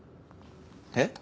えっ？